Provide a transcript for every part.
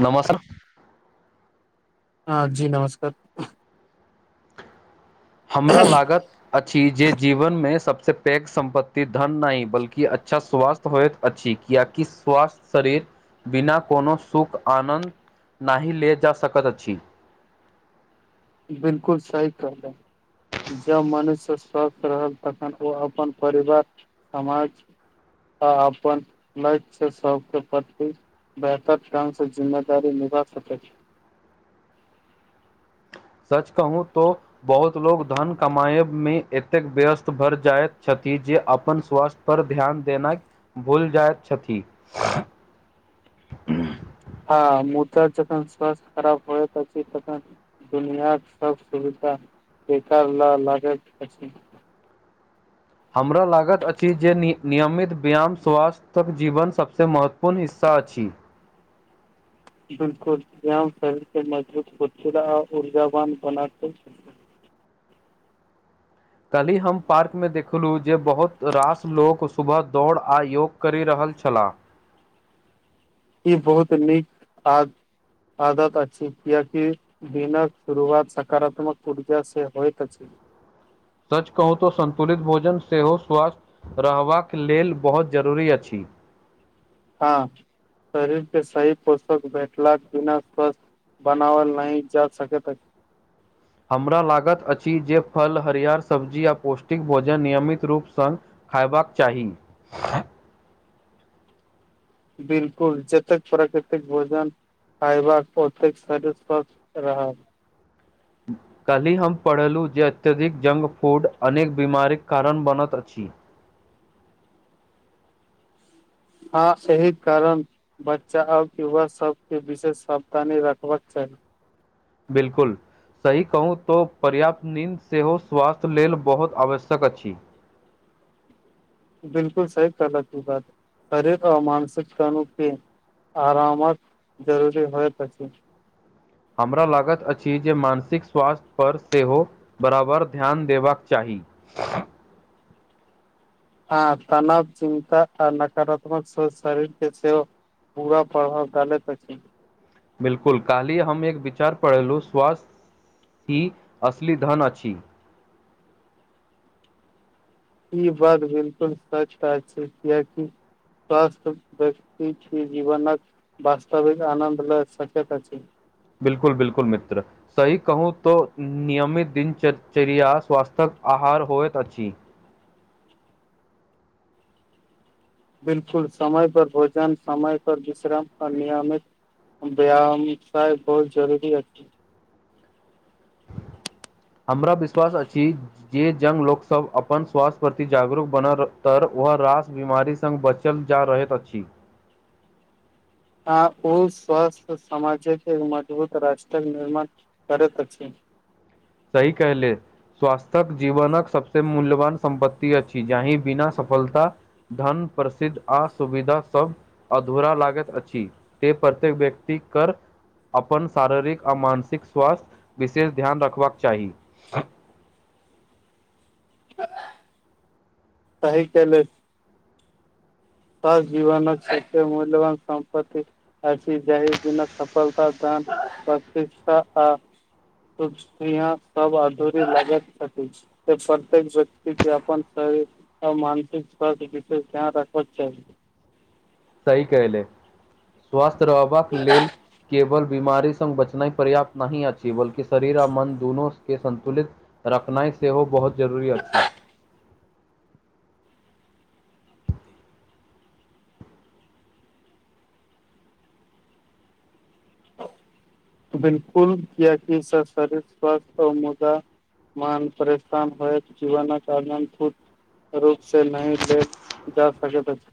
न मौसम हँ जी नमस्कार हमरा लागत अछि जे जीवन में सबस पैघ सम्पत्ति धन नहि बल्कि अच्छा स्वास्थ्य होइत अछि कियाकि स्वास्थ शरीर बिना कोनो सुख आनन्द नहि ले जा सकैत अछि बिलकुल सही कहलिऐ जँ मनुष्य स्वस्थ रहल तखन ओ अपन परिवार समाज आ अपन लक्ष्य सबके प्रति बेहतर ढ्ग से जिम्मेदी निभा सकैत सच कहु तो बहुत लोकोग धन कमाए मे एतेक व्यस्त भर जाइत छथि जे अपन स्वास्थ्य पर ध्यान देना भूल जाइत छथि हँ मुदा जखन स्वस्थ खराब होए त तन दुनियाक सब सुविधा बेकार ल लागैत अछि हमरा लागत अछि जे नियमित व्यायाम स्वास्थ्यक जीवन सभसँ महत्वपूर्ण हिस्सा अछि बिलकुल शरीर मजबूत ऊर्जवान बनातै काल्हि हम पार्कमे देखलहुँ जे बहुत रास लोक सुबह दौड़ आ योग करि रहल छलाह ई बहुत नीक आ आदत अच्छी किय क दिनक शुरुआत सकारात्मक ऊर्जा से होइत अछि सच कहू तऽ संन्तुलित भोजन सेहो स्वस्थ रहबाक लेल बहुत जरूरी अछि हँ शरीर के सही पोषक बैठला बिना स्वस्थ्य बनावल नहि जा सकै अछि हमरा लागत अछि जे फल हरियर सब्जी आ पौष्टिक भोजन नियमित रूपस खयबाक चाहि बिलकुल जतेक प्राकृतिक भोजन खायबाक ओतेक शरीर स्वस्थ रहल काल्हि हम पढ़ेलहुँ जे अत्यधिक जंक फूड अनेक बीमारीक कारण बनैत अछि हँ एहि कारण बच्चा आओर युवा सबके विशेष सावधानी रखबाक चाही बिल्कुल सही कहू तऽ पर्याप्त नीन्द सेहो स्वास्थ्य लेल बहुत आवश्यक अछि बिलकुल सही कहलक तु ई बात शरीर आ मानसिक के आरामक जरूरी होइत अछि हमरा लागत अछि जे मानसिक स्वास्थ्य पर सेहो बराबर ध्यान देबाक चाही हँ तनाव चिन्ता आ नकारात्मक शरीर के सेहो बुरा प्रभाव डालतअछि छै बिल्कुल काल्हि हम एक विचार पढ़ेलहुँ स्वास्थ्य ही असली धन अछि ई बात बिलकुल सच कहय छी कियकि सवास्थ व्यक्ति जीवनक वास्तविक आनन्द लए सकेत अछि बिलकुल बिलकुल मित्र सही कहू तो नियमित दिनचचर्या स्वास्थ्य्यक आहार होइत अछि बिलकुल समय पर भोजन समय पर विश्राम और नियमित व्यायामसाय बहुत जरूरी अछि [inaudible] [inaudible] हमरा विश्वास अछि जे जङ्ग लोकसभ अपन स्वास्थ्य प्रति जागरूक बन त वह रास बीमारी स बची बचल जा रहैत अछि आ ओ स्वस्थ समाजके मजबूत राष्ट्रक निर्माण करैत अछि सही कहले स्वास्थ्यक जीवनक सबस मूल्यवान सम्पत्ति अछि जाहि बिना सफलता धन प्रसिद्ध आ सुविधा सब अधूरा लागत अछि त प्रत्येक व्यक्ति क अपन शारीरिक आ मानसिक स्वास्थ्य विशेष ध्यान रखबाक चाही सही कहलू स जीवन क मूल्यवान सम्पति अ जाहि बिना सफलता दान प्रति आ यहाँ सब अधूरी लगैत छथि से प्रत्येक व्यक्ति के अपन शारीरिक आर मानसिक स्वस्थ्य विशेष ध्यान रख अच्छा सही कयलै स्वास्थय रहबाक लेल केवल बीमारी स बचना नहि पर्याप्त नहि अछि बल्कि शरीर आ मन दुनू के संन्तुलित रखनाइ से सेहो बहुत जरूरी अछि बिलकुल कियाकि सब शरीर स्वस्थ मुदा मान परेशान होइ जीवनक रूप से नहि लेल जा सकैत अछि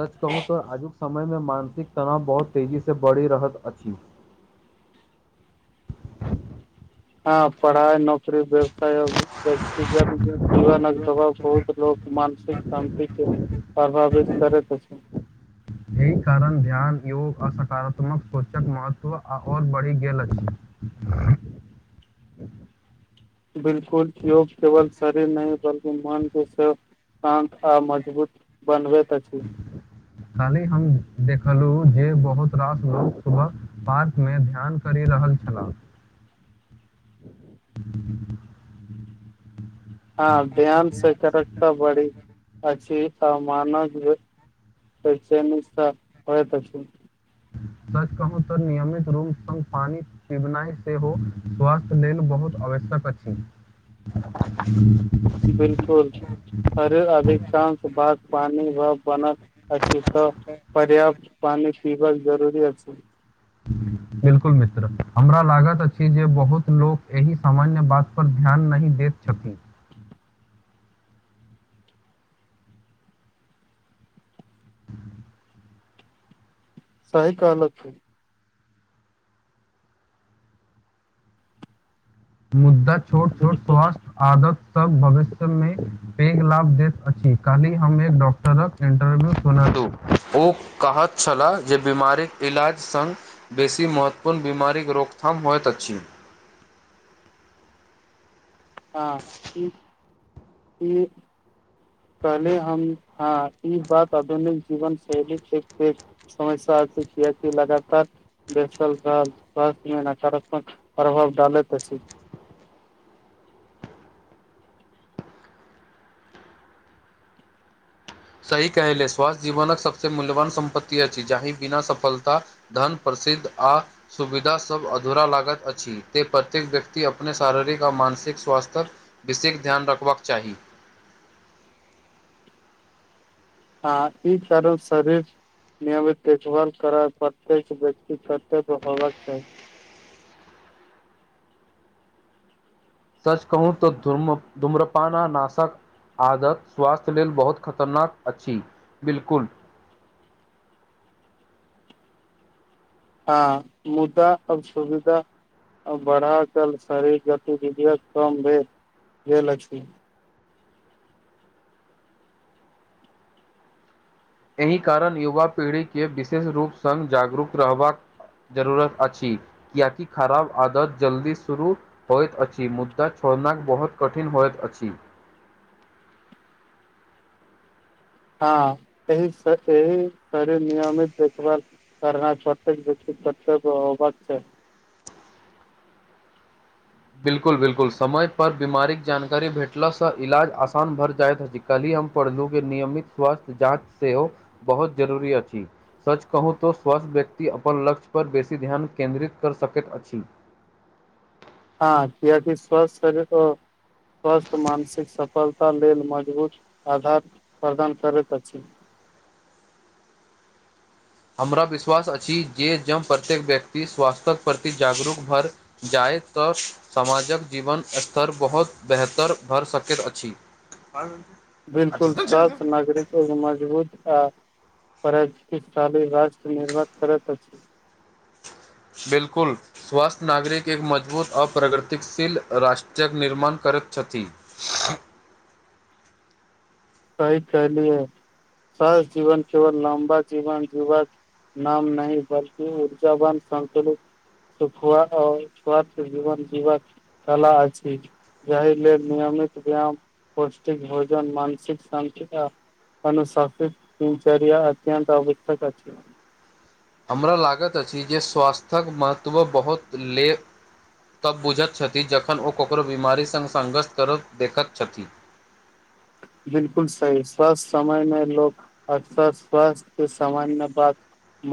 सच कहू तऽ आजुक समयमे मानसिक तनाव बहुत तेजी से बढ़ि रहत अछि हँ पढ़ाई नौकरी व्यवसाय व्यक्तिगत जीवनक जबाब बहुत लोक मानसिक शान्ति के प्रभावित करैत अछि एहि कारण ध्यान योग आ सकारात्मक सोचक महत्व आओर बढ़ि गेल अछि [inaudible] [inaudible] बिलकुल योग केवल शरीर नहि बलकि मन के शान्त आ मजबूत बनबैत अछि कल्हि हम देखलहु जे बहुत रास लोक सुबह पार्कमे ध्यान करि रहल छलाह [inaudible] हँ ध्यान से करत त बढ़ी अछि मानव त नसा [unintelligible] होत छै सच कहू तऽ नियमित रूम पानी पिबनाइ सेहो स्वास्थ्य लेल बहुत आवश्यक अछि [unintelligible] बिलकुल हर अधिकांश बात पनि बनल अछि तऽ पर्याप्त पानी पीबक जरूरी अछि [inaudible] बिल्कुल मित्र हमरा लागत अछि जे बहुत लोक एहि सामान्य बात पर ध्यान नहि देत छथीन सही कहलकै मुद्दा छोट छोट बिलकुल स्वास्थ आदत सब भविष्यमे पैघ लाभ दैत अछि काल्हि हम एक डॉक्टरक इन्टरव्यू सुन दू ओ कहत छल्लाह जे बीमारीक इलाज सङ्ग बेसी महत्वपूर्ण बीमारीक रोकथाम होइत अछि आ ई ह कहले हम हँ ई बात आधुनिक जीवन शैली समस्या छै की [unintelligible] अ छै लगातार बेसल रहल स्वास्थ्य मे नकारात्मक प्रभाव डालैत अछि सही कहले स्वासथ्य जीवनक सबस मूल्यवान सम्पत्ति अछि जाही बिना सफलता धन प्रसिद्ध आ सुविधा सभ अधूरा लागत अछि ते प्रत्येक व्यक्ति अपने शारीरिक आ मानसिक स्वास्थ्यक विशेक ध्यान रखबक चाही हँ ई करब शरीर नियमित देखभाल करा प्रतेक व्यक्ति कत होबबाक चाही सच कहू त धुम धुम्रपाना नाशक आदत स्वास्थ्य लेल बहुत खतरनाक अछि बिलकुल आ मुद्दा अब सुविधा आ बढ़ाकल शरीर गतिविधि कम भेल भेल अछि एहि कारण युवा पीढ़ीके विशेष रूप सङ्ग जागरूक रहबाक जरूरत अछि किएकि खराब आदत जल्दी शुरू होइत अछि मुद्दा छोड़ना बहुत कठिन होइत अछि हँ एहिस ए हि शरीर नियमित देखबार कर चोे [unintelligible] बे छे अव छै बिलकुल बिलकुल समय पर बीमारीक जानकारी भेटलासँ इलाज आसान भर जायइत अछि कलही हम पढ़लू के नियमित स्वास्थ्य जाँच सेहो बहुत जरूरी अछि सच कहू तऽ स्वस्थ व्यक्ति अपन लक्ष्यपर बेसी ध्यान केन्द्रित करऽ सकैत अछि हँ कियाकि स्वास्थ शरिरो स्वस्थ मानसिक सफलता लेल मजबूत आधार प्रदान करैत अछि हमरा विश्वास अछि जे जँ प्रत्येक व्यक्ति स्वास्थ्यक प्रति जागरूक भर जाहिसँ समाजक जीवन स्तर बहुत बेहतर भऽ सकैत अछि हर [unintelligible] बिलकुल सच नागरीक मजबूत आ प्रतिशाली राष्ट्र निर्भर करैत अछि बिल्कुल स्वास्थ्य नागरिक एक मजबूत आ प्रगतिशील राष्ट्रके निर्माण करैत छथि सही कैहलीयै सहस जीवन केवल लम्बा जीवन जीवाक नाम नहि बलकि ऊर्जा बान संतुलित खुआ आ स्वास्थ्य जीवन जिवाक कला अछि जा लेल नियमित व्यायाम पौष्टिक भोजन मानसिक शांतिक अ अनुशासित दिनचर्या अत्यत अवशक अछि हमरा लागैत अछि जे स्वास्थ्यक महत्व बहुत ले तब बुझैत छथि जखन ओ ककरो बीमारी सङ्ग संङघर्ष कर देखैत छथि बिलकुल सही स्वास्थ समय मे लोक अस स्वथ्य सामान्य बात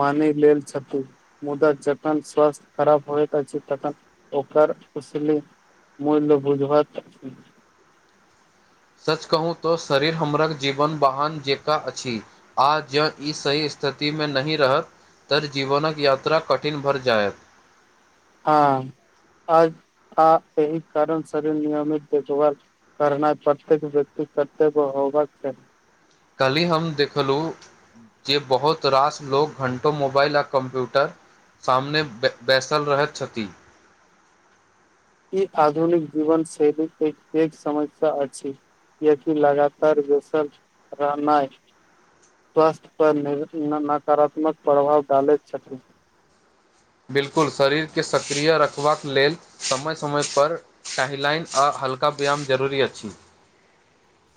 मानलेल छथी मुदा जखन स्वस्थ्य खराब होए त ततन ओकर असली मूल मुझत सच कहू तऽ शरीर हमरक जीवन वाहन जकाँ अछि आ ज ई सही स्थिति मे नहिह रहत त जीवनकक यात्रा कठिन भर जाएत ह आ एहि कारण शरीर नियमित देखभाल करनाइ प्रत्येक व्यक्ति कतो होब चाही कालहि हम देखलहुँ जे बहुत रास लोग घण्टो मोबाइल आ कम्प्यूटर सामने बैसल रहैत छथि ई आधुनिक जीवन शैली एक एक समस्या अछि यदि लगातार बैसल रहनाइ स्वास्थ्य पर नकारात्मक प्रभाव डालैत छथिन बिलकुल शरीरके सक्रिय रखबाक लेल समय समयपर टहलनाइ आ हल्का व्यायाम जरूरी अछि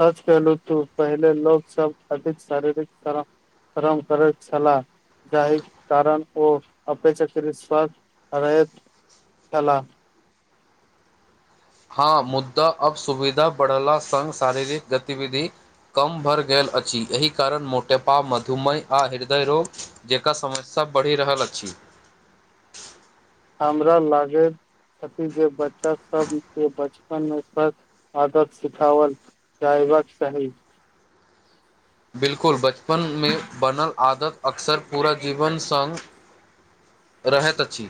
सच कहलू तू पहले लोको सबब अधिक शारीरिक तरह श्रम करैत छलाह जाहि कारण ओ अपेक्षाकृत स्वास्थ रहैत छला हँ मुद्दा अब सुविधा बढ़ला संघ शारीरिक गतिविधि कम भरि गेल अछि एहि कारण मोटेपा मधुमेह आ हृदय रोग जेकर समस्या बढ़ि रहल अछि हमरा लागे छथि जे बच्चा सब के बच अपन अपन आदत सिखावल जबक चाही बिलकुल बचपनमे बनल आदत अक्सर पूरा जीवन संग रहैत अछि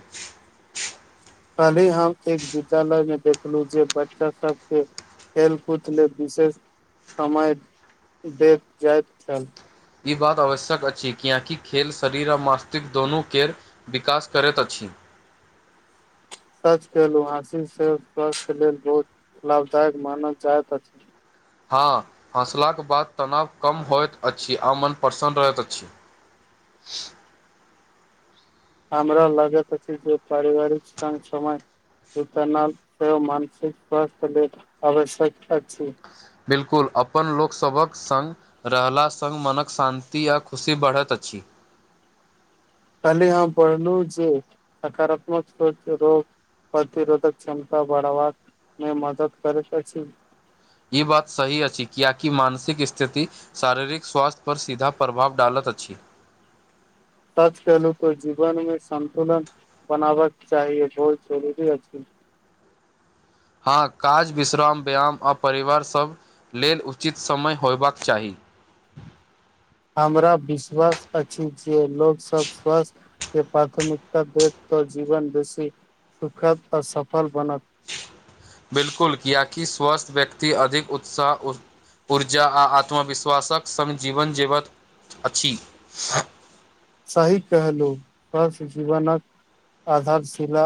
कहले हम एक विद्यालय में देखलहु जे बच्चा सबके खेल कुद लेल विशेष समय देख जात छल ई बात आवश्यक अछि किएकि खेल शरीर आओ मास्तिकष्क दुनूके विकास करैत अछि सच केेलुहासिलन से स्वास्थ्य लेल बहुत लाभदायक मानल जाइत अछि हँ हँसलाक बाद तनाव कम होइत अछि आओ मन प्रसन्न रहैत अछि हमरा लागैत अछि जे परिवारिक संग समाज जतना सेहो मानसिक स्वास्थ्य ल आवश्यक अछि बिलकुल अपन लोकसभक सङ्ग रहलास सङ्ग मनक शान्ति आ खुशी बढ़ैत अछि काली हम पढ़लहु जे सकारात्मक सोच रोग प्रतिरोधक क्षमता बढ़बाक मे मदद करैत अछि ई बात सही अछि किआकि मानसिक स्थिति शारीरिक स्वास्थ्य पर सीधा प्रभाव डालत अछि सच कलू त जीवन मे संन्तुलन बनाबा चाहिए बोल जरूरी अछि हँ काज विश्राम व्यायाम आ परिवारसभ लेल उचित समय होयबाक चाही हमरा विश्वास अछि जे लोग सब स्वस्थ के प्राथमिकता दे तऽ जीवन बेसी सुखद आ सफल बनत बिलकुल किएकि स्वस्थ व्यक्ति अधिक उत्साह ओ ऊर्जा आ आत्मविश्वासक सङ्ग जीवन जीबैत अछि सही कहलौ स जीवनक आधारशिला